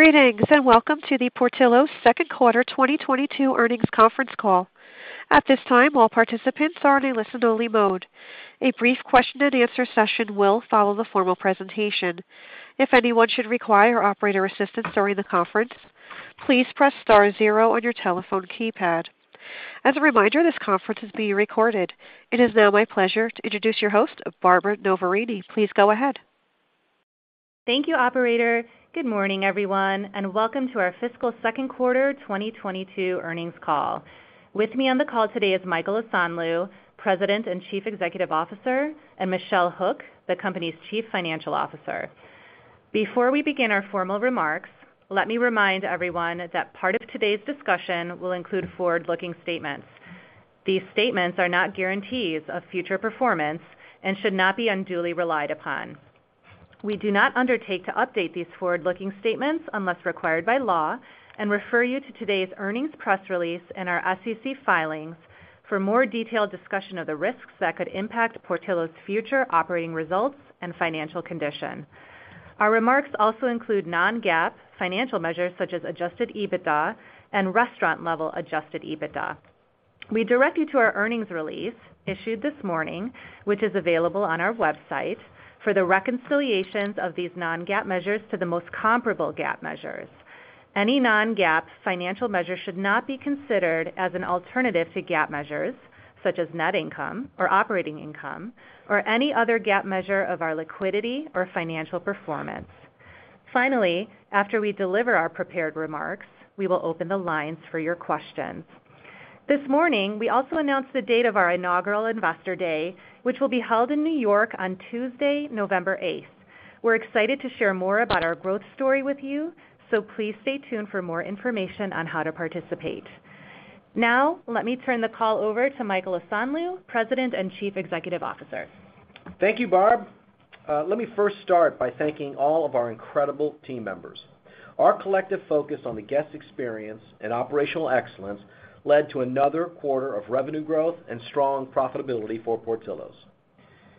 Greetings, and welcome to the Portillo's second quarter 2022 earnings conference call. At this time, all participants are in a listen-only mode. A brief question and answer session will follow the formal presentation. If anyone should require operator assistance during the conference, please press star zero on your telephone keypad. As a reminder, this conference is being recorded. It is now my pleasure to introduce your host, Barbara Noverini. Please go ahead. Thank you, operator. Good morning, everyone, and welcome to our fiscal second quarter 2022 earnings call. With me on the call today is Michael Osanloo, President and Chief Executive Officer, and Michelle Hook, the company's Chief Financial Officer. Before we begin our formal remarks, let me remind everyone that part of today's discussion will include forward-looking statements. These statements are not guarantees of future performance and should not be unduly relied upon. We do not undertake to update these forward-looking statements unless required by law and refer you to today's earnings press release and our SEC filings for more detailed discussion of the risks that could impact Portillo's future operating results and financial condition. Our remarks also include non-GAAP financial measures such as adjusted EBITDA and restaurant-level adjusted EBITDA. We direct you to our earnings release issued this morning, which is available on our website, for the reconciliations of these non-GAAP measures to the most comparable GAAP measures. Any non-GAAP financial measure should not be considered as an alternative to GAAP measures, such as net income or operating income, or any other GAAP measure of our liquidity or financial performance. Finally, after we deliver our prepared remarks, we will open the lines for your questions. This morning, we also announced the date of our inaugural Investor Day, which will be held in New York on Tuesday, November 8th. We're excited to share more about our growth story with you, so please stay tuned for more information on how to participate. Now, let me turn the call over to Michael Osanloo, President and Chief Executive Officer. Thank you, Barb. Let me first start by thanking all of our incredible team members. Our collective focus on the guest experience and operational excellence led to another quarter of revenue growth and strong profitability for Portillo's.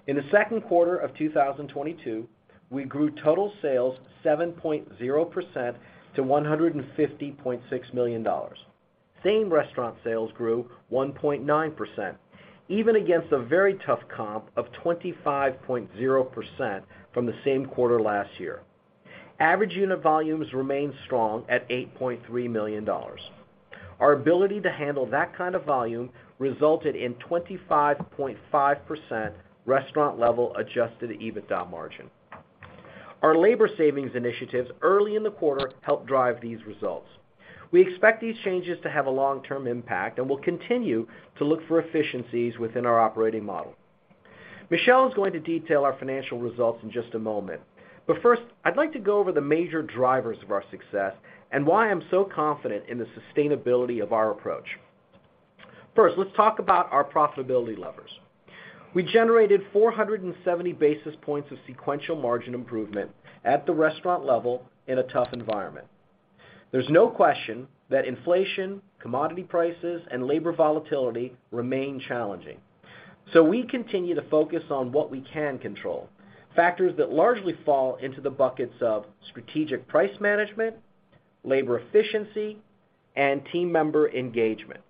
In the second quarter of 2022, we grew total sales 7.0% to $150.6 million. Same-restaurant sales grew 1.9%, even against a very tough comp of 25.0% from the same quarter last year. Average unit volumes remained strong at $8.3 million. Our ability to handle that kind of volume resulted in 25.5% restaurant-level adjusted EBITDA margin. Our labor savings initiatives early in the quarter helped drive these results. We expect these changes to have a long-term impact, and we'll continue to look for efficiencies within our operating model. Michelle is going to detail our financial results in just a moment. First, I'd like to go over the major drivers of our success and why I'm so confident in the sustainability of our approach. First, let's talk about our profitability levers. We generated 470 basis points of sequential margin improvement at the restaurant level in a tough environment. There's no question that inflation, commodity prices, and labor volatility remain challenging. We continue to focus on what we can control, factors that largely fall into the buckets of strategic price management, labor efficiency, and team member engagement.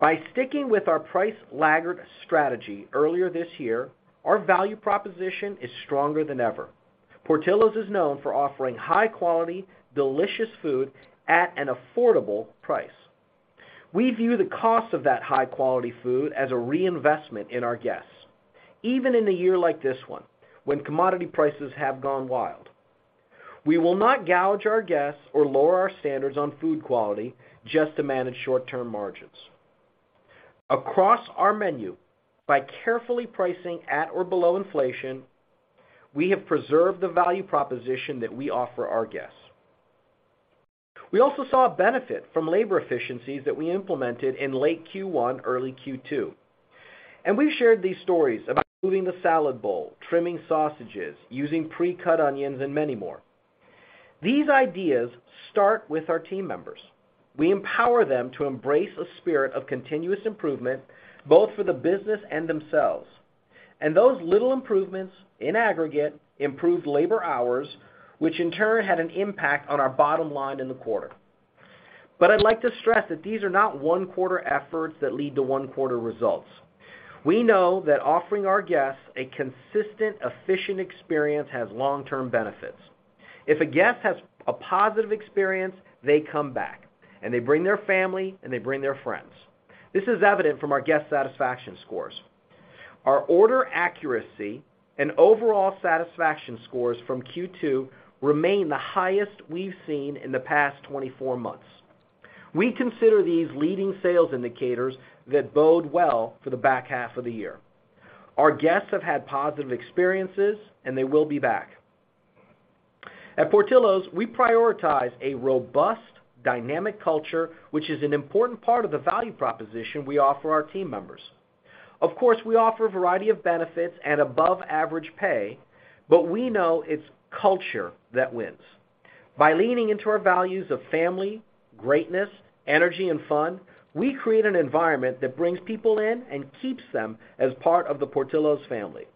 By sticking with our price laggard strategy earlier this year, our value proposition is stronger than ever. Portillo's is known for offering high-quality, delicious food at an affordable price. We view the cost of that high-quality food as a reinvestment in our guests, even in a year like this one, when commodity prices have gone wild. We will not gouge our guests or lower our standards on food quality just to manage short-term margins. Across our menu, by carefully pricing at or below inflation, we have preserved the value proposition that we offer our guests. We also saw a benefit from labor efficiencies that we implemented in late Q1, early Q2. We've shared these stories about removing the salad bowl, trimming sausages, using pre-cut onions, and many more. These ideas start with our team members. We empower them to embrace a spirit of continuous improvement, both for the business and themselves. Those little improvements, in aggregate, improved labor hours, which in turn had an impact on our bottom line in the quarter. I'd like to stress that these are not one-quarter efforts that lead to one-quarter results. We know that offering our guests a consistent, efficient experience has long-term benefits. If a guest has a positive experience, they come back, and they bring their family, and they bring their friends. This is evident from our guest satisfaction scores. Our order accuracy and overall satisfaction scores from Q2 remain the highest we've seen in the past 24 months. We consider these leading sales indicators that bode well for the back half of the year. Our guests have had positive experiences, and they will be back. At Portillo's, we prioritize a robust, dynamic culture, which is an important part of the value proposition we offer our team members. Of course, we offer a variety of benefits and above-average pay, but we know it's culture that wins. By leaning into our values of family, greatness, energy, and fun, we create an environment that brings people in and keeps them as part of the Portillo's family.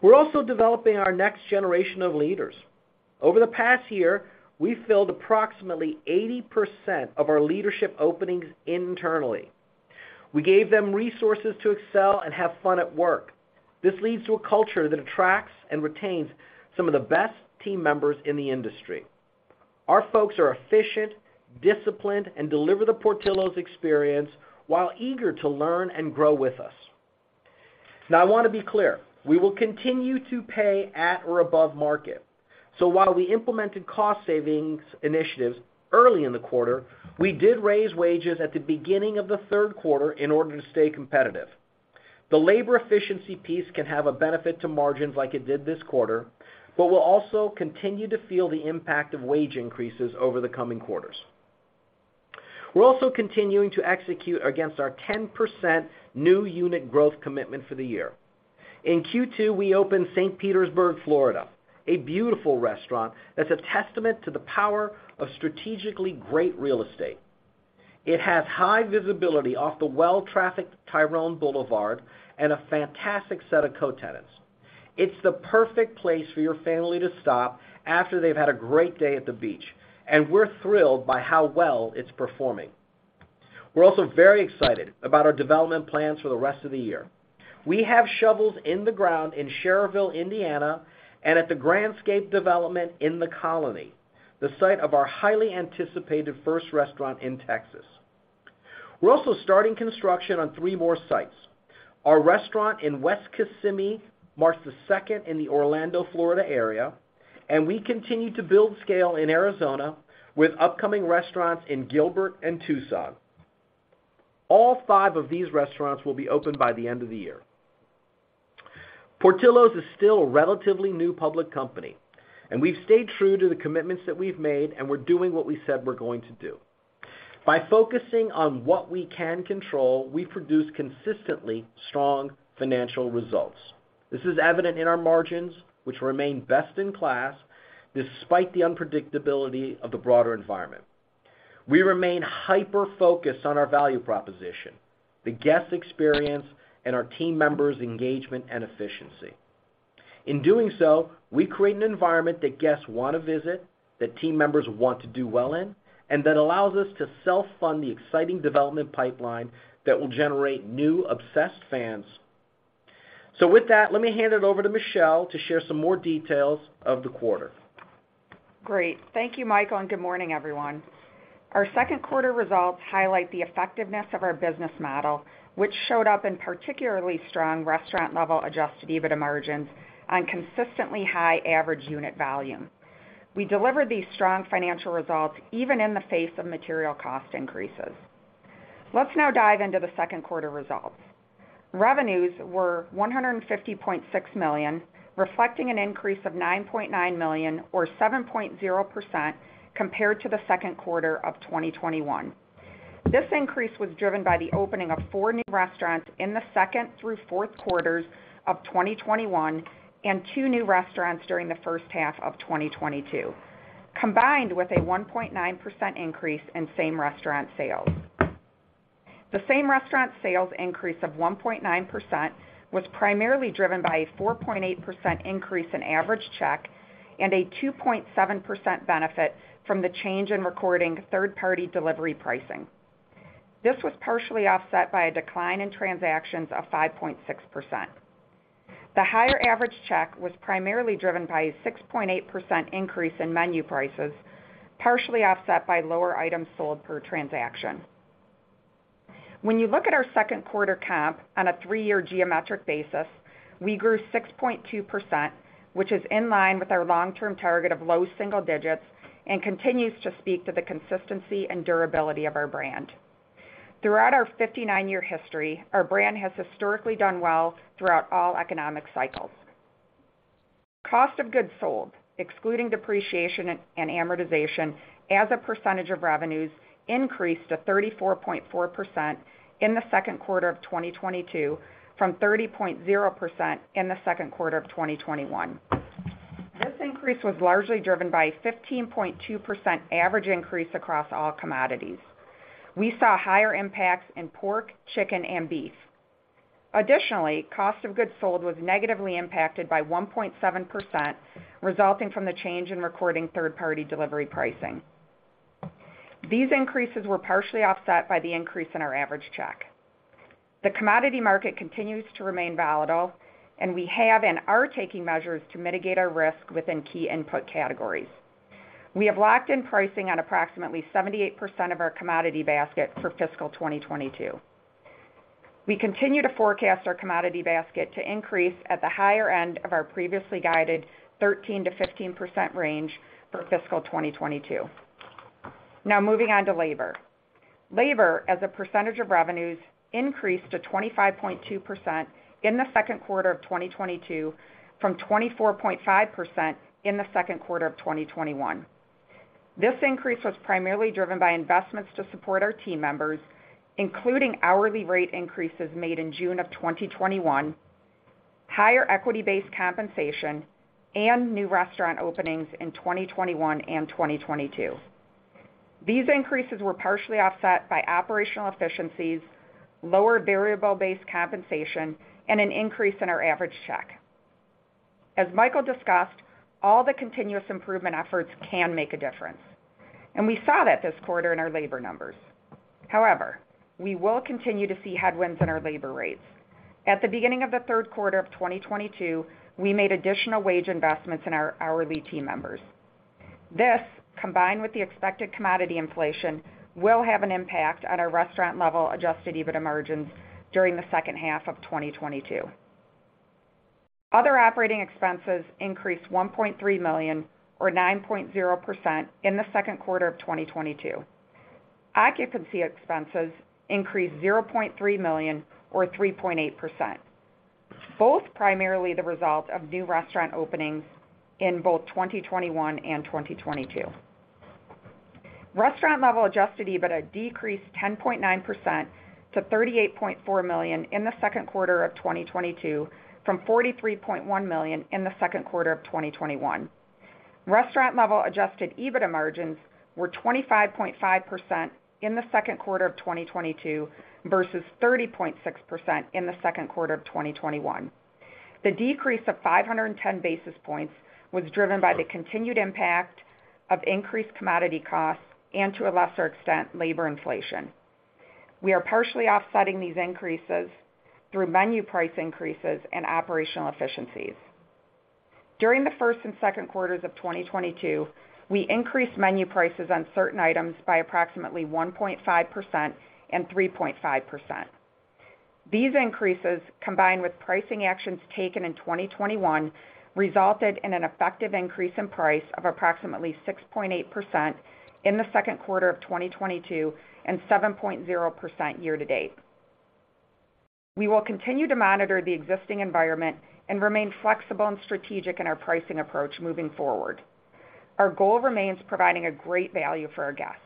We're also developing our next generation of leaders. Over the past year, we filled approximately 80% of our leadership openings internally. We gave them resources to excel and have fun at work. This leads to a culture that attracts and retains some of the best team members in the industry. Our folks are efficient, disciplined, and deliver the Portillo's experience while eager to learn and grow with us. Now I wanna be clear, we will continue to pay at or above market. While we implemented cost savings initiatives early in the quarter, we did raise wages at the beginning of the third quarter in order to stay competitive. The labor efficiency piece can have a benefit to margins like it did this quarter, but we'll also continue to feel the impact of wage increases over the coming quarters. We're also continuing to execute against our 10% new unit growth commitment for the year. In Q2, we opened St. Petersburg, Florida, a beautiful restaurant that's a testament to the power of strategically great real estate. It has high visibility off the well-trafficked Tyrone Boulevard and a fantastic set of co-tenants. It's the perfect place for your family to stop after they've had a great day at the beach, and we're thrilled by how well it's performing. We're also very excited about our development plans for the rest of the year. We have shovels in the ground in Schererville, Indiana, and at the Grandscape development in The Colony, the site of our highly anticipated first restaurant in Texas. We're also starting construction on three more sites. Our restaurant in West Kissimmee marks the second in the Orlando, Florida area, and we continue to build scale in Arizona with upcoming restaurants in Gilbert and Tucson. All five of these restaurants will be open by the end of the year. Portillo's is still a relatively new public company, and we've stayed true to the commitments that we've made, and we're doing what we said we're going to do. By focusing on what we can control, we produce consistently strong financial results. This is evident in our margins, which remain best in class despite the unpredictability of the broader environment. We remain hyper-focused on our value proposition, the guest experience, and our team members' engagement and efficiency. In doing so, we create an environment that guests wanna visit, that team members want to do well in, and that allows us to self-fund the exciting development pipeline that will generate new obsessed fans. With that, let me hand it over to Michelle to share some more details of the quarter. Great. Thank you, Mike, and good morning, everyone. Our second quarter results highlight the effectiveness of our business model, which showed up in particularly strong restaurant level adjusted EBITDA margins on consistently high average unit volume. We delivered these strong financial results even in the face of material cost increases. Let's now dive into the second quarter results. Revenues were $150.6 million, reflecting an increase of $9.9 million or 7.0% compared to the second quarter of 2021. This increase was driven by the opening of four new restaurants in the second through fourth quarters of 2021 and two new restaurants during the first half of 2022, combined with a 1.9% increase in same-restaurant sales. The same-restaurant sales increase of 1.9% was primarily driven by a 4.8% increase in average check and a 2.7% benefit from the change in recording third-party delivery pricing. This was partially offset by a decline in transactions of 5.6%. The higher average check was primarily driven by a 6.8% increase in menu prices, partially offset by lower items sold per transaction. When you look at our second quarter comp on a three-year geometric basis, we grew 6.2%, which is in line with our long-term target of low single digits and continues to speak to the consistency and durability of our brand. Throughout our 59-year history, our brand has historically done well throughout all economic cycles. Cost of goods sold, excluding depreciation and amortization, as a percentage of revenues increased to 34.4% in the second quarter of 2022 from 30.0% in the second quarter of 2021. This increase was largely driven by a 15.2% average increase across all commodities. We saw higher impacts in pork, chicken, and beef. Additionally, cost of goods sold was negatively impacted by 1.7%, resulting from the change in recording third-party delivery pricing. These increases were partially offset by the increase in our average check. The commodity market continues to remain volatile, and we have and are taking measures to mitigate our risk within key input categories. We have locked in pricing on approximately 78% of our commodity basket for fiscal 2022. We continue to forecast our commodity basket to increase at the higher end of our previously guided 13%-15% range for fiscal 2022. Now moving on to labor. Labor as a percentage of revenues increased to 25.2% in the second quarter of 2022 from 24.5% in the second quarter of 2021. This increase was primarily driven by investments to support our team members, including hourly rate increases made in June of 2021, higher equity-based compensation, and new restaurant openings in 2021 and 2022. These increases were partially offset by operational efficiencies, lower variable-based compensation, and an increase in our average check. As Michael discussed, all the continuous improvement efforts can make a difference, and we saw that this quarter in our labor numbers. However, we will continue to see headwinds in our labor rates. At the beginning of the third quarter of 2022, we made additional wage investments in our hourly team members. This, combined with the expected commodity inflation, will have an impact on our restaurant level adjusted EBITDA margins during the second half of 2022. Other operating expenses increased $1.3 million or 9.0% in the second quarter of 2022. Occupancy expenses increased $0.3 million or 3.8%, both primarily the result of new restaurant openings in both 2021 and 2022. Restaurant level adjusted EBITDA decreased 10.9% to $38.4 million in the second quarter of 2022 from $43.1 million in the second quarter of 2021. Restaurant-level adjusted EBITDA margins were 25.5% in the second quarter of 2022 versus 30.6% in the second quarter of 2021. The decrease of 510 basis points was driven by the continued impact of increased commodity costs and to a lesser extent, labor inflation. We are partially offsetting these increases through menu price increases and operational efficiencies. During the first and second quarters of 2022, we increased menu prices on certain items by approximately 1.5% and 3.5%. These increases, combined with pricing actions taken in 2021, resulted in an effective increase in price of approximately 6.8% in the second quarter of 2022 and 7.0% year to date. We will continue to monitor the existing environment and remain flexible and strategic in our pricing approach moving forward. Our goal remains providing a great value for our guests.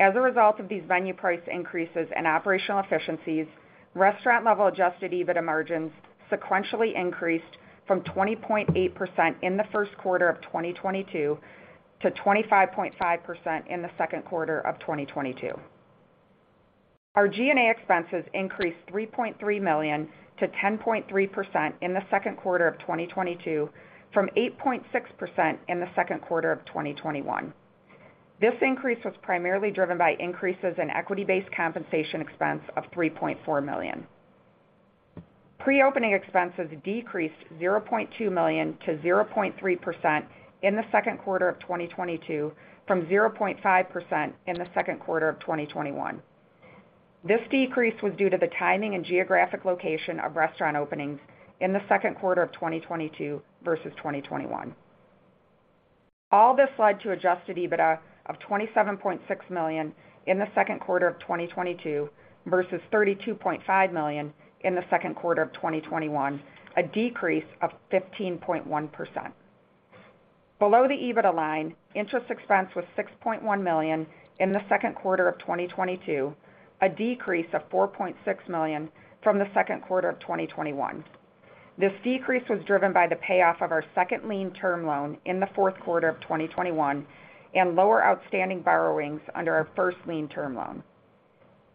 As a result of these menu price increases and operational efficiencies, restaurant level adjusted EBITDA margins sequentially increased from 20.8% in the first quarter of 2022 to 25.5% in the second quarter of 2022. Our G&A expenses increased $3.3 million to 10.3% in the second quarter of 2022 from 8.6% in the second quarter of 2021. This increase was primarily driven by increases in equity-based compensation expense of $3.4 million. Pre-opening expenses decreased $0.2 million to 0.3% in the second quarter of 2022 from 0.5% in the second quarter of 2021. This decrease was due to the timing and geographic location of restaurant openings in the second quarter of 2022 versus 2021. All this led to adjusted EBITDA of $27.6 million in the second quarter of 2022 versus $32.5 million in the second quarter of 2021, a decrease of 15.1%. Below the EBITDA line, interest expense was $6.1 million in the second quarter of 2022, a decrease of $4.6 million from the second quarter of 2021. This decrease was driven by the payoff of our second lien term loan in the fourth quarter of 2021 and lower outstanding borrowings under our first lien term loan.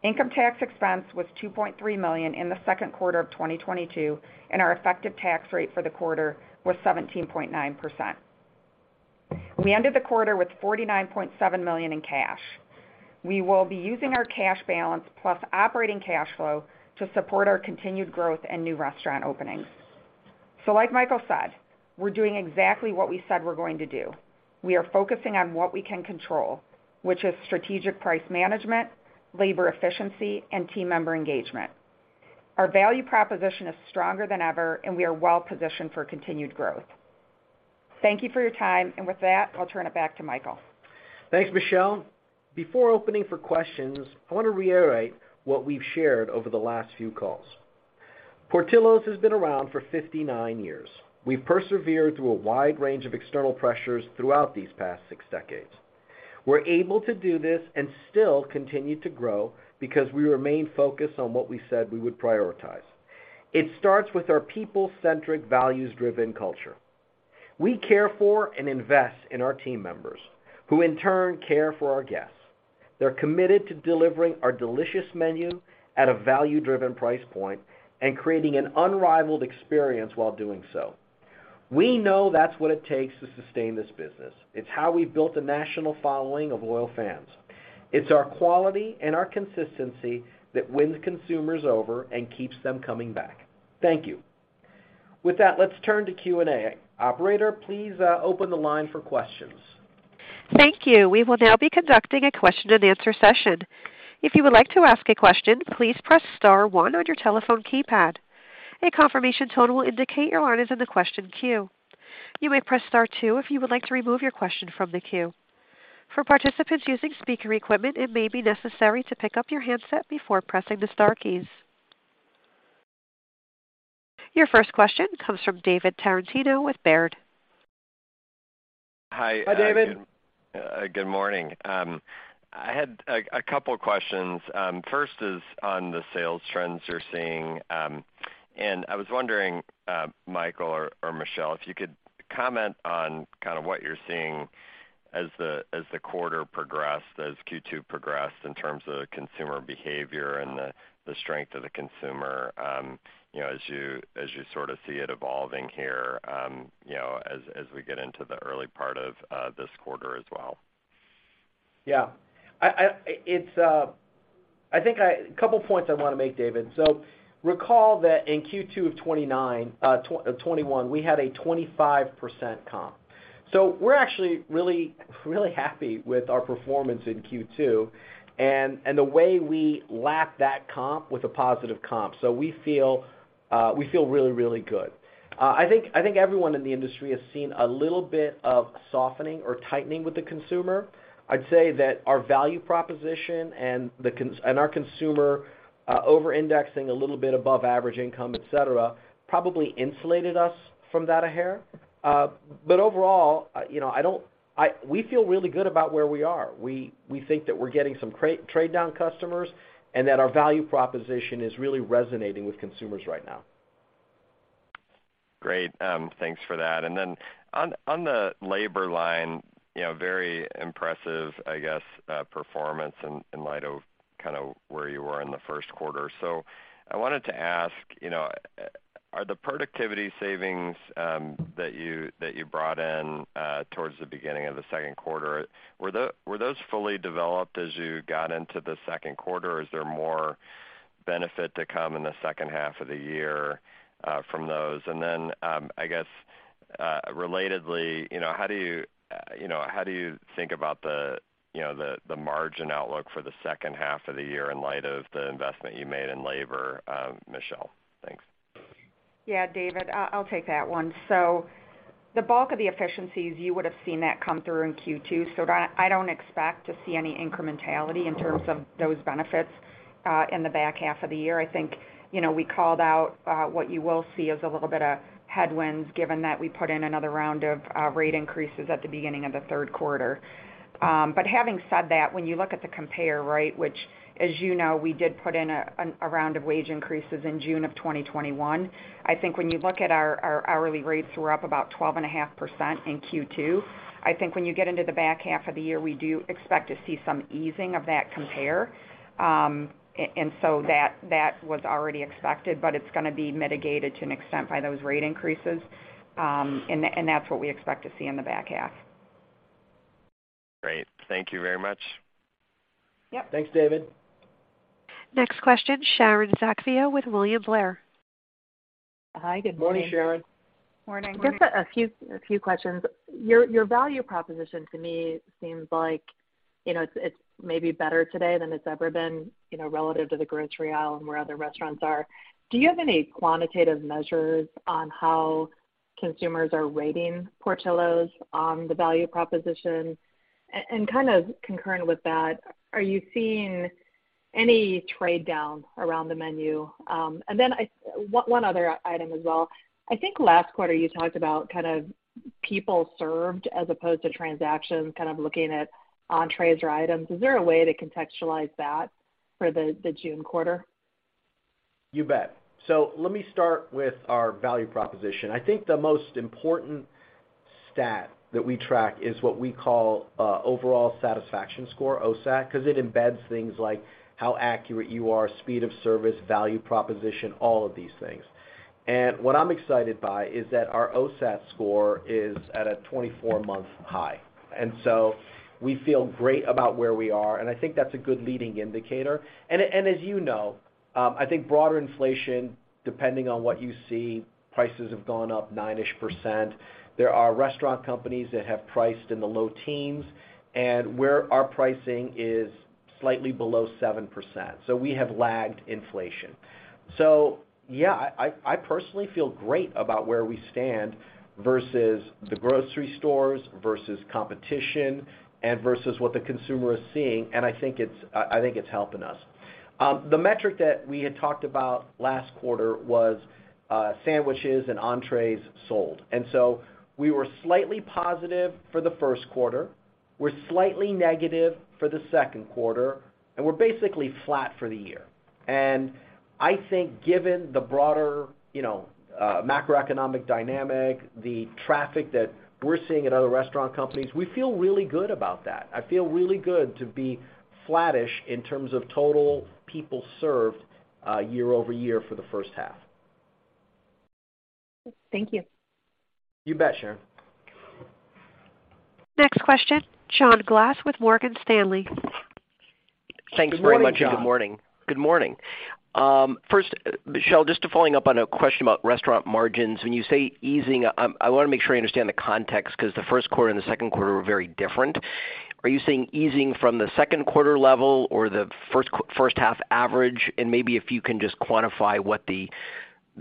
Income tax expense was $2.3 million in the second quarter of 2022, and our effective tax rate for the quarter was 17.9%. We ended the quarter with $49.7 million in cash. We will be using our cash balance plus operating cash flow to support our continued growth and new restaurant openings. Like Michael said, we're doing exactly what we said we're going to do. We are focusing on what we can control, which is strategic price management, labor efficiency, and team member engagement. Our value proposition is stronger than ever, and we are well positioned for continued growth. Thank you for your time, and with that, I'll turn it back to Michael. Thanks, Michelle. Before opening for questions, I want to reiterate what we've shared over the last few calls. Portillo's has been around for 59 years. We've persevered through a wide range of external pressures throughout these past six decades. We're able to do this and still continue to grow because we remain focused on what we said we would prioritize. It starts with our people-centric, values-driven culture. We care for and invest in our team members, who in turn care for our guests. They're committed to delivering our delicious menu at a value-driven price point and creating an unrivaled experience while doing so. We know that's what it takes to sustain this business. It's how we built a national following of loyal fans. It's our quality and our consistency that wins consumers over and keeps them coming back. Thank you. With that, let's turn to Q&A. Operator, please, open the line for questions. Thank you. We will now be conducting a question and answer session. If you would like to ask a question, please press star one on your telephone keypad. A confirmation tone will indicate your line is in the question queue. You may press star two if you would like to remove your question from the queue. For participants using speaker equipment, it may be necessary to pick up your handset before pressing the star keys. Your first question comes from David Tarantino with Baird. Hi, David. Hi. Good morning. I had a couple questions. First is on the sales trends you're seeing. I was wondering, Michael or Michelle, if you could comment on kind of what you're seeing as the quarter progressed, as Q2 progressed in terms of consumer behavior and the strength of the consumer, you know, as you sort of see it evolving here, you know, as we get into the early part of this quarter as well. I think couple points I wanna make, David. Recall that in Q2 of 2021, we had a 25% comp. We're actually really happy with our performance in Q2 and the way we lap that comp with a positive comp. We feel really good. I think everyone in the industry has seen a little bit of softening or tightening with the consumer. I'd say that our value proposition and our consumer over-indexing a little bit above average income, et cetera, probably insulated us from that a hair. Overall, you know, we feel really good about where we are. We think that we're getting some trade-down customers and that our value proposition is really resonating with consumers right now. Great. Thanks for that. Then on the labor line, you know, very impressive, I guess, performance in light of kinda where you were in the first quarter. I wanted to ask, you know, are the productivity savings that you brought in towards the beginning of the second quarter, were those fully developed as you got into the second quarter? Is there more benefit to come in the second half of the year from those? Then, I guess, relatedly, you know, how do you think about the you know, the margin outlook for the second half of the year in light of the investment you made in labor, Michelle? Thanks. Yeah, David, I'll take that one. The bulk of the efficiencies, you would've seen that come through in Q2, so that I don't expect to see any incrementality in terms of those benefits in the back half of the year. I think, you know, we called out what you will see is a little bit of headwinds given that we put in another round of rate increases at the beginning of the third quarter. Having said that, when you look at the compare rate, which, as you know, we did put in a round of wage increases in June of 2021. I think when you look at our hourly rates were up about 12.5% in Q2. I think when you get into the back half of the year, we do expect to see some easing of that comp. That was already expected, but it's gonna be mitigated to an extent by those rate increases. That's what we expect to see in the back half. Great. Thank you very much. Yep. Thanks, David. Next question, Sharon Zackfia with William Blair. Hi, good morning. Morning, Sharon. Morning. Just a few questions. Your value proposition to me seems like, you know, it's maybe better today than it's ever been, you know, relative to the grocery aisle and where other restaurants are. Do you have any quantitative measures on how consumers are rating Portillo's on the value proposition? Kind of concurrent with that, are you seeing any trade down around the menu? One other item as well. I think last quarter you talked about kind of people served as opposed to transactions, kind of looking at entrees or items. Is there a way to contextualize that for the June quarter? You bet. Let me start with our value proposition. I think the most important stat that we track is what we call overall satisfaction score, OSAT, 'cause it embeds things like how accurate you are, speed of service, value proposition, all of these things. What I'm excited by is that our OSAT score is at a 24-month high. We feel great about where we are, and I think that's a good leading indicator. As you know, I think broader inflation, depending on what you see, prices have gone up nine-ish%. There are restaurant companies that have priced in the low teens, and where our pricing is slightly below 7%. We have lagged inflation. Yeah, I personally feel great about where we stand versus the grocery stores, versus competition, and versus what the consumer is seeing, and I think it's helping us. The metric that we had talked about last quarter was sandwiches and entrees sold. We were slightly positive for the first quarter. We're slightly negative for the second quarter, and we're basically flat for the year. I think given the broader macroeconomic dynamic, the traffic that we're seeing at other restaurant companies, we feel really good about that. I feel really good to be flattish in terms of total people served year-over-year for the first half. Thank you. You bet, Sharon. Next question, John Glass with Morgan Stanley. Thanks very much, and good morning. Good morning, John. Good morning. First, Michelle, just following up on a question about restaurant margins. When you say easing, I wanna make sure I understand the context, 'cause the first quarter and the second quarter were very different. Are you saying easing from the second quarter level or the first half average? Maybe if you can just quantify what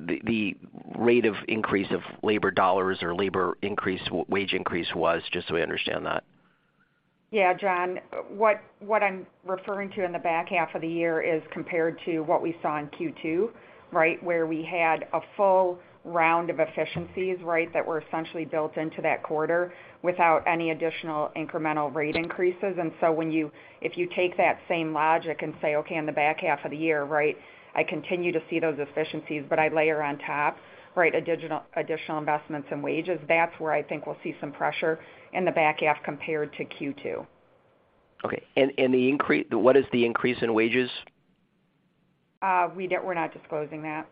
the rate of increase of labor dollars or labor increase, wage increase was, just so I understand that. Yeah, John, what I'm referring to in the back half of the year is compared to what we saw in Q2, right? Where we had a full round of efficiencies, right? That were essentially built into that quarter without any additional incremental rate increases. If you take that same logic and say, "Okay, in the back half of the year, right, I continue to see those efficiencies, but I layer on top, right, additional investments in wages," that's where I think we'll see some pressure in the back half compared to Q2. Okay. What is the increase in wages? We're not disclosing that.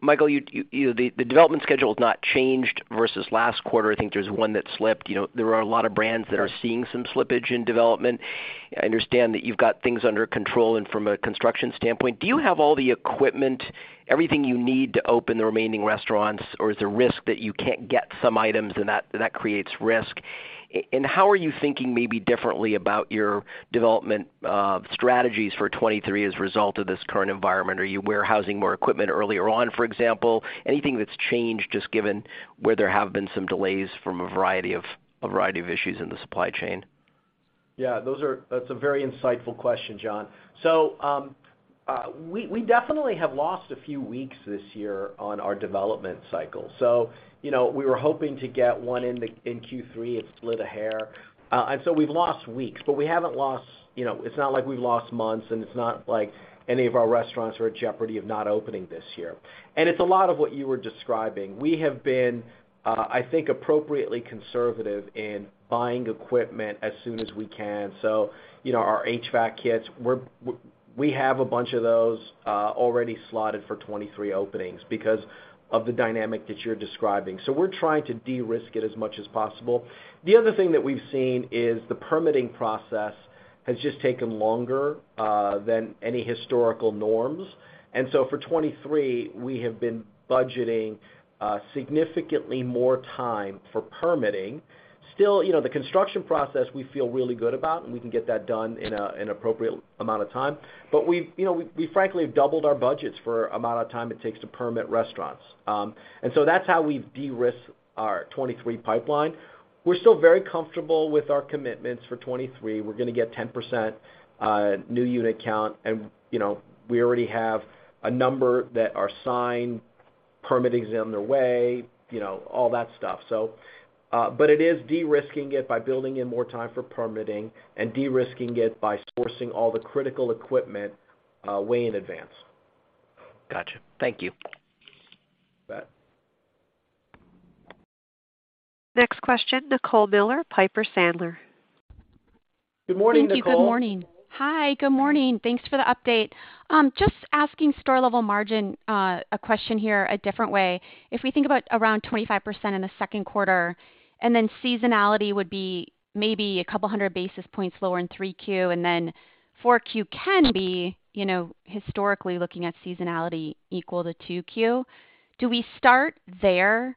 Michael, the development schedule has not changed versus last quarter. I think there's one that slipped. You know, there are a lot of brands that are seeing some slippage in development. I understand that you've got things under control and from a construction standpoint. Do you have all the equipment, everything you need to open the remaining restaurants, or is there risk that you can't get some items and that creates risk? How are you thinking maybe differently about your development strategies for 2023 as a result of this current environment? Are you warehousing more equipment earlier on, for example? Anything that's changed just given where there have been some delays from a variety of issues in the supply chain? That's a very insightful question, John. We definitely have lost a few weeks this year on our development cycle. You know, we were hoping to get one in Q3. It split a hair. We've lost weeks, but we haven't lost, you know, it's not like we've lost months, and it's not like any of our restaurants are at jeopardy of not opening this year. It's a lot of what you were describing. We have been, I think, appropriately conservative in buying equipment as soon as we can. You know, our HVAC kits, we have a bunch of those already slotted for 23 openings because of the dynamic that you're describing. We're trying to de-risk it as much as possible. The other thing that we've seen is the permitting process has just taken longer than any historical norms. For 2023, we have been budgeting significantly more time for permitting. Still, you know, the construction process we feel really good about, and we can get that done in appropriate amount of time. We've you know frankly have doubled our budgets for amount of time it takes to permit restaurants. That's how we've de-risked our 2023 pipeline. We're still very comfortable with our commitments for 2023. We're gonna get 10% new unit count and, you know, we already have a number that are signed, permitting's on their way, you know, all that stuff. It is de-risking it by building in more time for permitting and de-risking it by sourcing all the critical equipment way in advance. Gotcha. Thank you. You bet. Next question, Nicole Miller, Piper Sandler. Good morning, Nicole. Thank you. Good morning. Hi, good morning. Thanks for the update. Just asking store-level margin, a question here a different way. If we think about around 25% in the second quarter, and then seasonality would be maybe a couple hundred basis points lower in Q3, and then Q4 can be, you know, historically looking at seasonality equal to Q2. Do we start there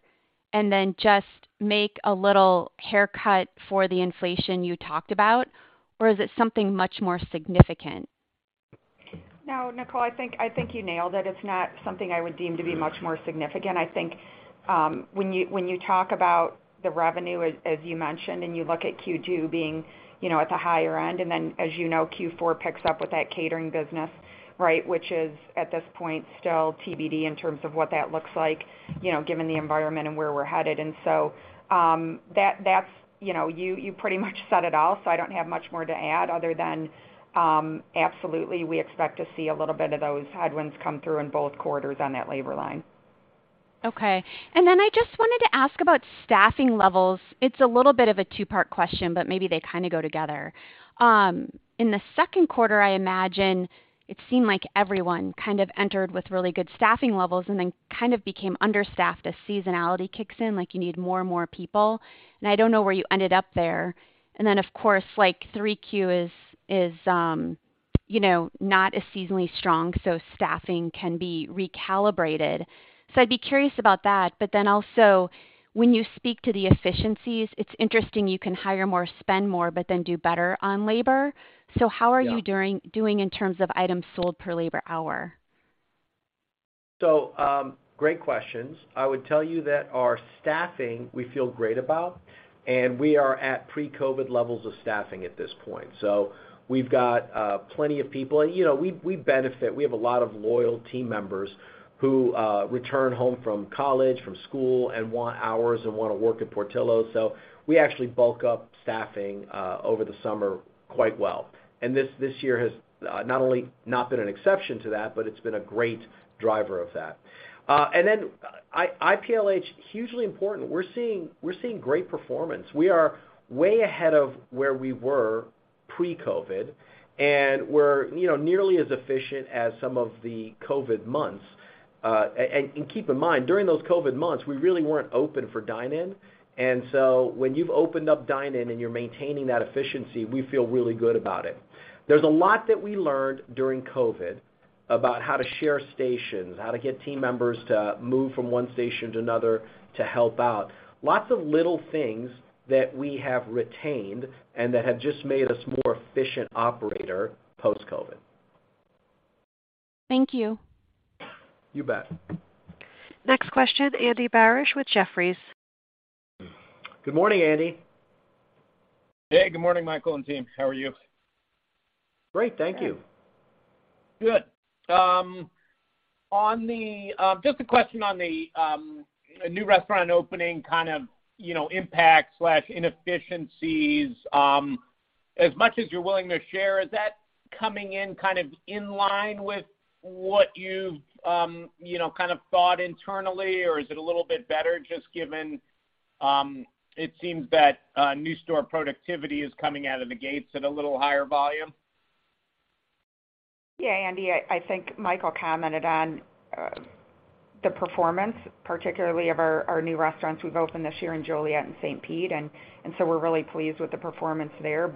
and then just make a little haircut for the inflation you talked about, or is it something much more significant? No, Nicole, I think you nailed it. It's not something I would deem to be much more significant. I think when you talk about the revenue, as you mentioned, and you look at Q2 being, you know, at the higher end, and then as you know, Q4 picks up with that catering business, right? Which is, at this point, still TBD in terms of what that looks like, you know, given the environment and where we're headed. That's, you know, you pretty much said it all, so I don't have much more to add other than absolutely, we expect to see a little bit of those headwinds come through in both quarters on that labor line. Okay. I just wanted to ask about staffing levels. It's a little bit of a two-part question, but maybe they kind of go together. In the second quarter, I imagine it seemed like everyone kind of entered with really good staffing levels and then kind of became understaffed as seasonality kicks in, like you need more and more people. I don't know where you ended up there. Of course, like, Q3 is you know, not as seasonally strong, so staffing can be recalibrated. I'd be curious about that. Also, when you speak to the efficiencies, it's interesting you can hire more, spend more, but then do better on labor. Yeah. How are you doing in terms of items sold per labor hour? Great questions. I would tell you that our staffing we feel great about, and we are at pre-COVID levels of staffing at this point. We've got plenty of people. And you know, we benefit. We have a lot of loyal team members who return home from college, from school and want hours and wanna work at Portillo's. We actually bulk up staffing over the summer quite well. This year has not only not been an exception to that, but it's been a great driver of that. And then IPLH, hugely important. We're seeing great performance. We are way ahead of where we were pre-COVID, and we're you know, nearly as efficient as some of the COVID months. And keep in mind, during those COVID months, we really weren't open for dine-in. When you've opened up dine-in and you're maintaining that efficiency, we feel really good about it. There's a lot that we learned during COVID about how to share stations, how to get team members to move from one station to another to help out. Lots of little things that we have retained and that have just made us more efficient operator post-COVID. Thank you. You bet. Next question, Andy Barish with Jefferies. Good morning, Andy. Hey, good morning, Michael and team. How are you? Great, thank you. Good. Just a question on the new restaurant opening kind of, you know, impacts, inefficiencies, as much as you're willing to share, is that coming in kind of in line with what you've, you know, kind of thought internally? Or is it a little bit better just given, it seems that new store productivity is coming out of the gates at a little higher volume. Yeah. Andy, I think Michael commented on the performance, particularly of our new restaurants we've opened this year in Joliet and St. Pete, and so we're really pleased with the performance there.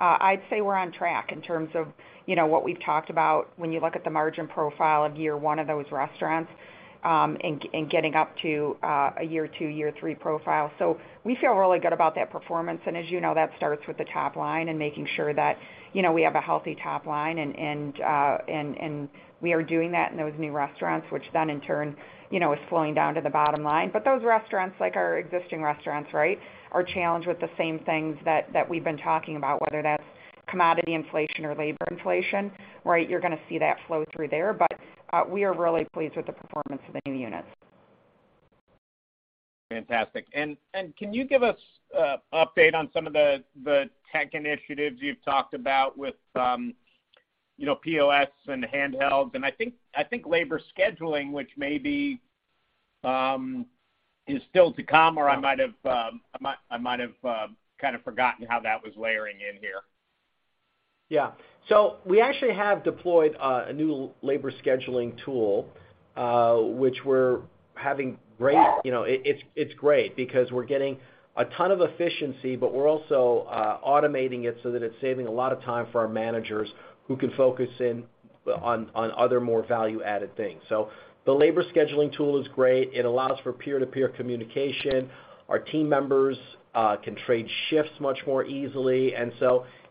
I'd say we're on track in terms of, you know, what we've talked about when you look at the margin profile of year one of those restaurants, and getting up to a year two, year three profile. We feel really good about that performance. As you know, that starts with the top line and making sure that, you know, we have a healthy top line and we are doing that in those new restaurants, which then in turn, you know, is flowing down to the bottom line. Those restaurants, like our existing restaurants, right, are challenged with the same things that we've been talking about, whether that's commodity inflation or labor inflation, right? You're gonna see that flow through there. We are really pleased with the performance of the new units. Fantastic. Can you give us an update on some of the tech initiatives you've talked about with POS and handheld? I think labor scheduling, which maybe is still to come or I might have kind of forgotten how that was layering in here. Yeah. We actually have deployed a new labor scheduling tool, which we're having great. You know, it's great because we're getting a ton of efficiency, but we're also automating it so that it's saving a lot of time for our managers who can focus on other more value-added things. The labor scheduling tool is great. It allows for peer-to-peer communication. Our team members can trade shifts much more easily.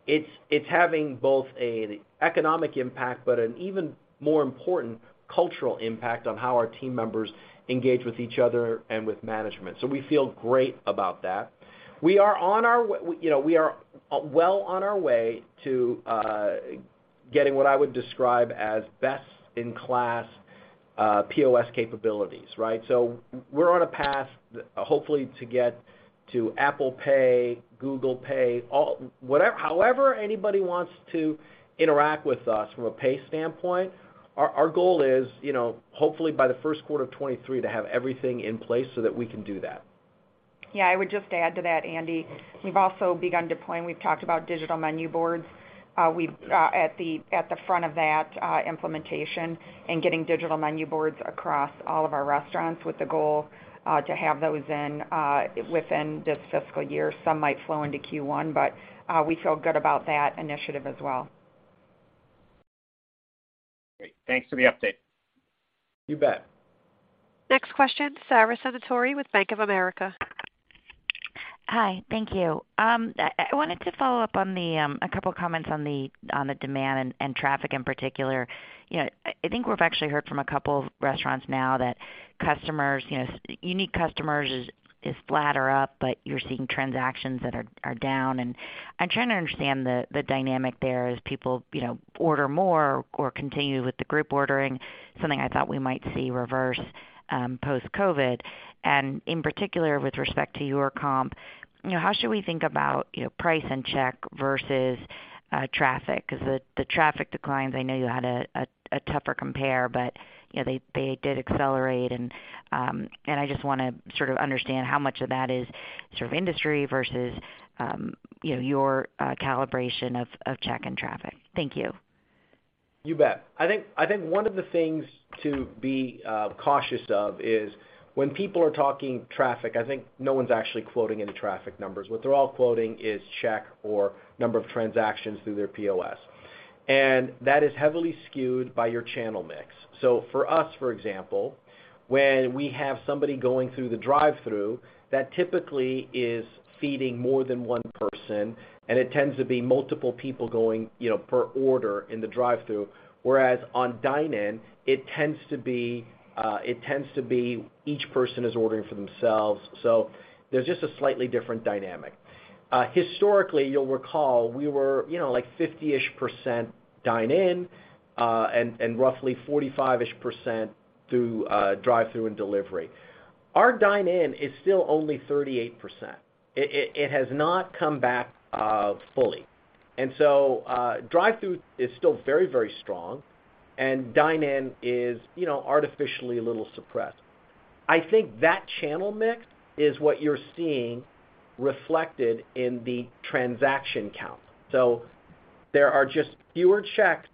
It's having both an economic impact, but an even more important cultural impact on how our team members engage with each other and with management. We feel great about that. You know, we are well on our way to getting what I would describe as best-in-class POS capabilities, right? We're on a path, hopefully to get to Apple Pay, Google Pay, however anybody wants to interact with us from a pay standpoint, our goal is, you know, hopefully by the first quarter of 2023 to have everything in place so that we can do that. Yeah. I would just add to that, Andy. We've also begun deploying. We've talked about digital menu boards. We're at the front of that implementation and getting digital menu boards across all of our restaurants with the goal to have those in within this fiscal year. Some might flow into Q1, but we feel good about that initiative as well. Great. Thanks for the update. You bet. Next question, Sara Senatore with Bank of America. Hi. Thank you. I wanted to follow up on a couple of comments on the demand and traffic in particular. You know, I think we've actually heard from a couple of restaurants now that customers, you know, unique customers is flat or up, but you're seeing transactions that are down. I'm trying to understand the dynamic there as people, you know, order more or continue with the group ordering something I thought we might see reverse post-COVID. In particular with respect to your comp, you know, how should we think about, you know, price and check versus traffic? 'Cause the traffic declines, I know you had a tougher compare, but you know, they did accelerate. I just wanna sort of understand how much of that is sort of industry versus, you know, your calibration of check and traffic. Thank you. You bet. I think one of the things to be cautious of is when people are talking traffic. I think no one's actually quoting any traffic numbers. What they're all quoting is check or number of transactions through their POS. That is heavily skewed by your channel mix. For us, for example, when we have somebody going through the drive-thru, that typically is feeding more than one person, and it tends to be multiple people going, you know, per order in the drive-thru, whereas on dine-in, it tends to be each person is ordering for themselves. There's just a slightly different dynamic. Historically, you'll recall we were, you know, like 50-ish% dine in, and roughly 45-ish% through drive-thru and delivery. Our dine in is still only 38%. It has not come back fully. Drive-thru is still very, very strong, and dine in is, you know, artificially a little suppressed. I think that channel mix is what you're seeing reflected in the transaction count. There are just fewer checks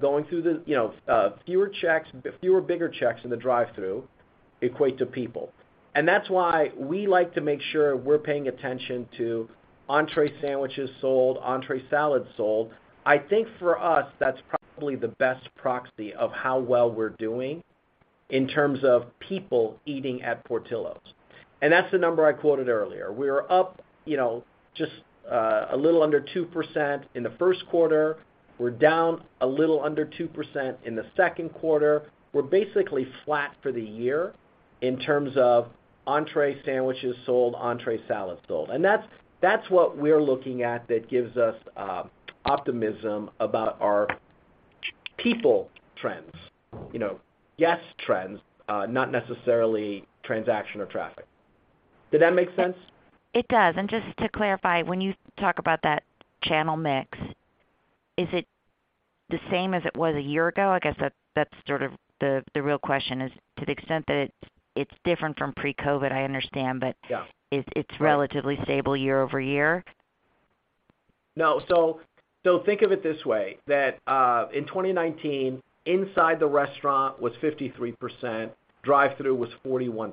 going through. You know, fewer checks, fewer bigger checks in the drive-thru equate to people. That's why we like to make sure we're paying attention to entrée sandwiches sold, entrée salads sold. I think for us, that's probably the best proxy of how well we're doing in terms of people eating at Portillo's. That's the number I quoted earlier. We are up, you know, just a little under 2% in the first quarter. We're down a little under 2% in the second quarter. We're basically flat for the year in terms of entree sandwiches sold, entree salads sold. That's what we're looking at that gives us optimism about our people trends, you know, guest trends, not necessarily transaction or traffic. Did that make sense? It does. Just to clarify, when you talk about that channel mix, is it the same as it was a year ago? I guess that's sort of the real question is to the extent that it's different from pre-COVID, I understand. Yeah. It's relatively stable year-over-year? No. So think of it this way, that in 2019, inside the restaurant was 53%, drive-through was 41%.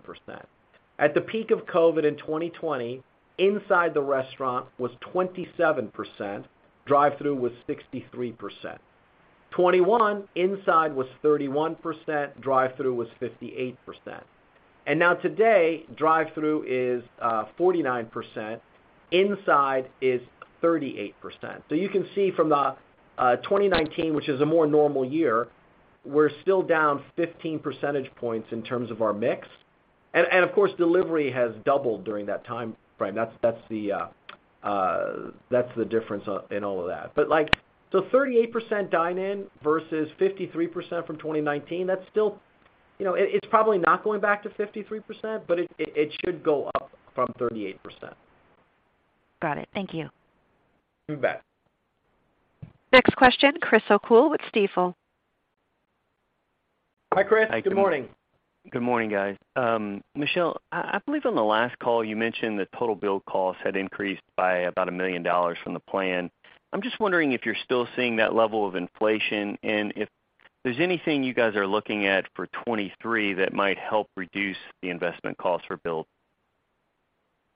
At the peak of COVID in 2020, inside the restaurant was 27%, drive-through was 63%. 2021, inside was 31%, drive-through was 58%. Now today, drive-through is 49%, inside is 38%. You can see from the 2019, which is a more normal year, we're still down 15 percentage points in terms of our mix. Of course, delivery has doubled during that time frame. That's the difference in all of that. Like 38% dine in versus 53% from 2019, that's still you know it's probably not going back to 53%, but it should go up from 38%. Got it. Thank you. You bet. Next question, Chris O'Cull with Stifel. Hi, Chris. Good morning. Good morning, guys. Michelle, I believe on the last call you mentioned the total build costs had increased by about $1 million from the plan. I'm just wondering if you're still seeing that level of inflation, and if there's anything you guys are looking at for 2023 that might help reduce the investment costs for build.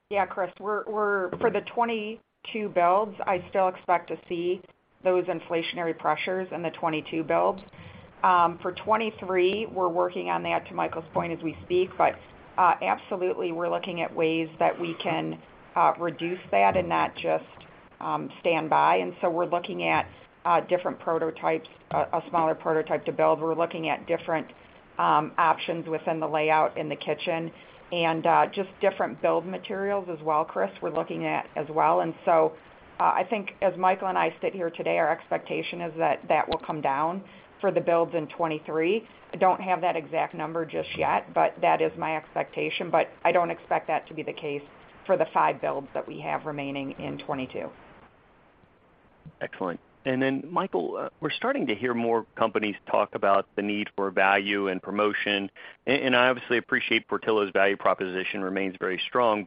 Yeah, Chris. We're Okay. For the 2022 builds, I still expect to see those inflationary pressures in the 2022 builds. For 2023, we're working on that, to Michael's point, as we speak. Absolutely, we're looking at ways that we can reduce that and not just stand by. We're looking at different prototypes, smaller prototype to build. We're looking at different options within the layout in the kitchen, and just different build materials as well, Chris, we're looking at as well. I think as Michael and I sit here today, our expectation is that that will come down for the builds in 2023. I don't have that exact number just yet, but that is my expectation. I don't expect that to be the case for the 5 builds that we have remaining in 2022. Excellent. Then Michael, we're starting to hear more companies talk about the need for value and promotion. I obviously appreciate Portillo's value proposition remains very strong.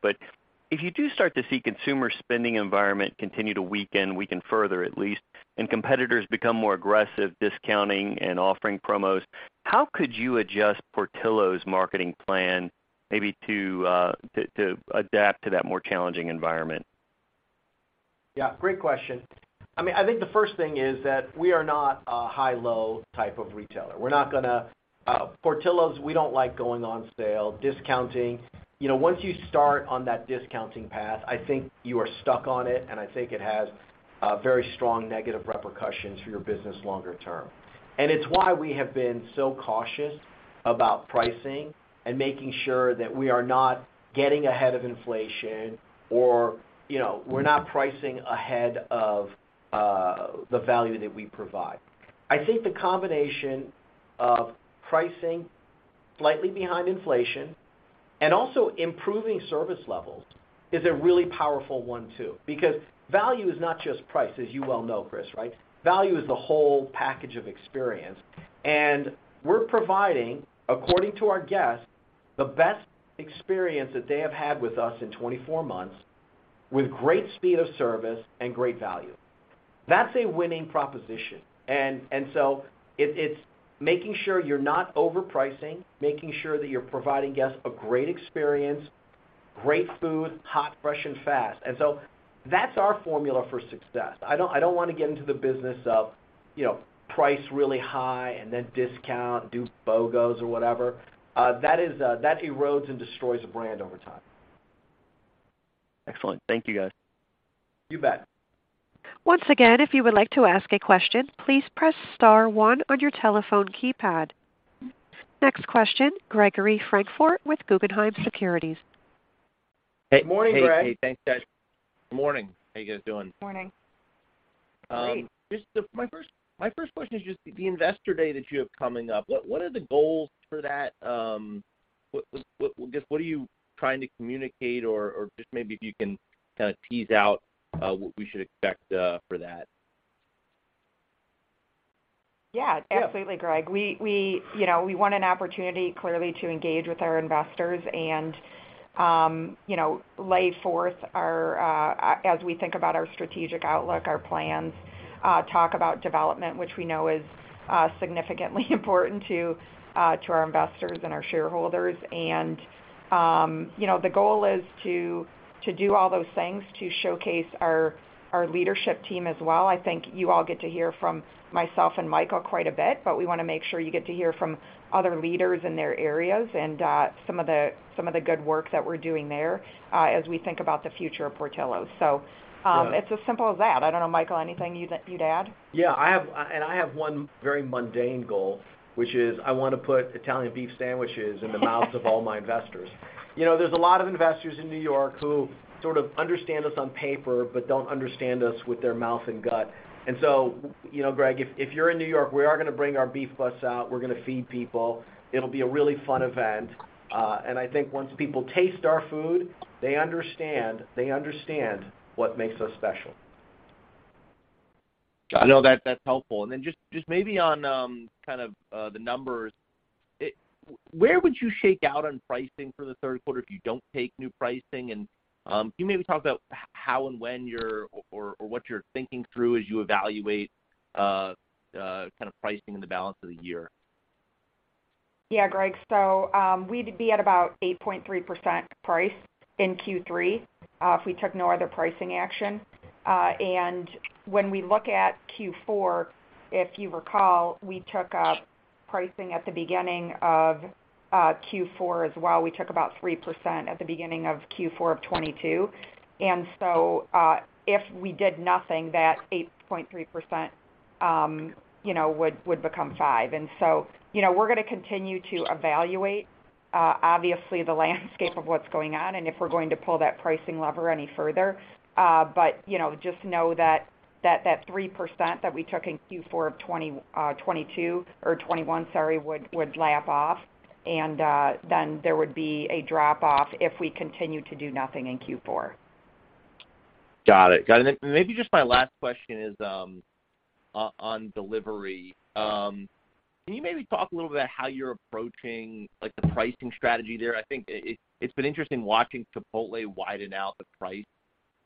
If you do start to see consumer spending environment continue to weaken further at least, and competitors become more aggressive discounting and offering promos, how could you adjust Portillo's marketing plan maybe to adapt to that more challenging environment? Yeah, great question. I mean, I think the first thing is that we are not a high-low type of retailer. We're not gonna Portillo's, we don't like going on sale, discounting. You know, once you start on that discounting path, I think you are stuck on it, and I think it has very strong negative repercussions for your business longer term. It's why we have been so cautious about pricing and making sure that we are not getting ahead of inflation or, you know, we're not pricing ahead of the value that we provide. I think the combination of pricing slightly behind inflation and also improving service levels is a really powerful one too, because value is not just price, as you well know, Chris, right? Value is the whole package of experience. We're providing, according to our guests, the best experience that they have had with us in 24 months with great speed of service and great value. That's a winning proposition. It's making sure you're not overpricing, making sure that you're providing guests a great experience, great food, hot, fresh and fast. That's our formula for success. I don't wanna get into the business of, you know, price really high and then discount, do BOGOs or whatever. That erodes and destroys a brand over time. Excellent. Thank you, guys. You bet. Once again, if you would like to ask a question, please press star one on your telephone keypad. Next question, Gregory Francfort with Guggenheim Securities. Morning, Greg. Hey. Hey, thanks, guys. Morning. How you guys doing? Morning. Great. My first question is just the Investor Day that you have coming up. What are the goals for that? What, I guess, what are you trying to communicate or just maybe if you can kind of tease out what we should expect for that? Yeah, absolutely, Greg. We, you know, we want an opportunity, clearly, to engage with our investors and, you know, lay forth our, as we think about our strategic outlook, our plans, talk about development, which we know is significantly important to our investors and our shareholders. You know, the goal is to do all those things to showcase our leadership team as well. I think you all get to hear from myself and Michael quite a bit, but we wanna make sure you get to hear from other leaders in their areas and some of the good work that we're doing there, as we think about the future of Portillo's. It's as simple as that. I don't know, Michael, anything you'd add? Yeah, I have one very mundane goal, which is I wanna put Italian Beef Sandwich in the mouths of all my investors. You know, there's a lot of investors in New York who sort of understand us on paper, but don't understand us with their mouth and gut. You know, Greg, if you're in New York, we are gonna bring our beef bus out. We're gonna feed people. It'll be a really fun event. I think once people taste our food, they understand what makes us special. Got it. No, that's helpful. Just maybe on kind of the numbers. Where would you shake out on pricing for the third quarter if you don't take new pricing? Can you maybe talk about how or what you're thinking through as you evaluate kind of pricing in the balance of the year? Yeah, Gregory. We'd be at about 8.3% price in Q3, if we took no other pricing action. When we look at Q4, if you recall, we took a pricing at the beginning of Q4 as well. We took about 3% at the beginning of Q4 of 2022. If we did nothing, that 8.3%, you know, would become 5%. You know, we're gonna continue to evaluate the landscape of what's going on and if we're going to pull that pricing lever any further. You know, just know that three percent that we took in Q4 of 2022 or 2021, sorry, would lap off and then there would be a drop off if we continue to do nothing in Q4. Got it. Maybe just my last question is, on delivery. Can you maybe talk a little bit how you're approaching, like, the pricing strategy there? I think it's been interesting watching Chipotle widen out the price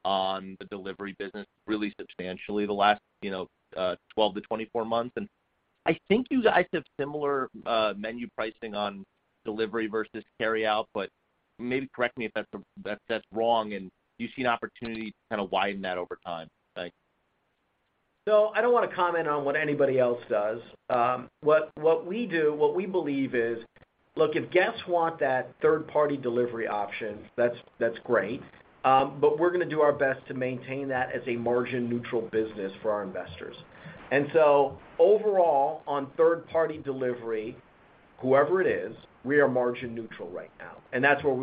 on the delivery business really substantially the last, you know, 12-24 months. I think you guys have similar menu pricing on delivery versus carryout, but maybe correct me if that's wrong, and you see an opportunity to kinda widen that over time. Thanks. I don't wanna comment on what anybody else does. What we do, what we believe is, look, if guests want that third-party delivery option, that's great. We're gonna do our best to maintain that as a margin-neutral business for our investors. Overall, on third-party delivery, whoever it is, we are margin neutral right now, and that's where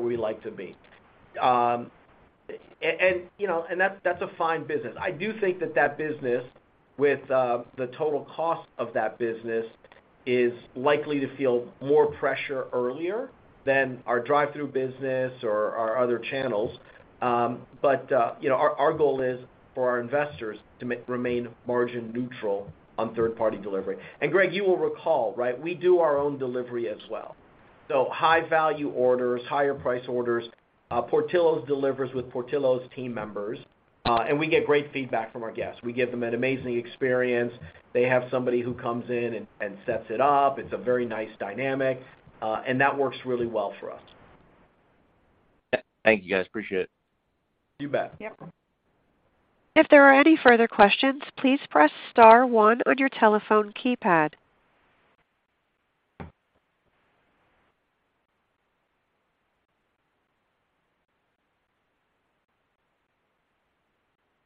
we like to be. You know, that's a fine business. I do think that business with the total cost of that business is likely to feel more pressure earlier than our drive-through business or our other channels. You know, our goal is for our investors to remain margin neutral on third-party delivery. Gregory, you will recall, right, we do our own delivery as well. High value orders, higher price orders, Portillo's delivers with Portillo's team members, and we get great feedback from our guests. We give them an amazing experience. They have somebody who comes in and sets it up. It's a very nice dynamic, and that works really well for us. Thank you guys, appreciate it. You bet. Yep. If there are any further questions, please press star one on your telephone keypad.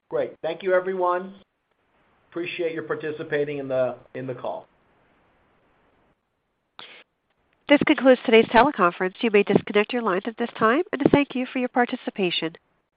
Great. Thank you, everyone. Appreciate you participating in the call. This concludes today's teleconference. You may disconnect your lines at this time, and thank you for your participation.